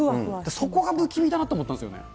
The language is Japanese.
そこが不気味だなと思ったんですよね。